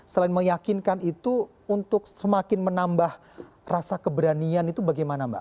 selain meyakinkan itu untuk semakin menambah rasa keberanian itu bagaimana mbak